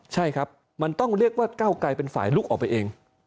ใช่ครับมันต้องเรียกว่าเก้าไกลเป็นฝ่ายลุกออกไปเอง